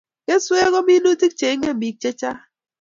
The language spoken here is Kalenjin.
keswek ko minutik che inket biik chechang